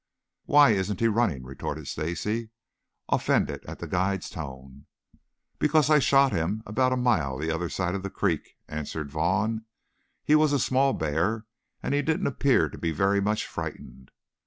"Why isn't he running?" retorted Stacy, offended at the guide's tone. "Because I shot him about a mile the other side of the creek," answered Vaughn. "He was a small bear and he didn't appear to be very much frightened."